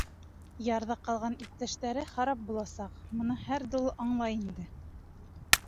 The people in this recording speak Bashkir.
Ярҙа ҡалған иптәштәре харап буласаҡ, быны һәр дол андай ине.